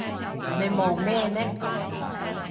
你望咩呢？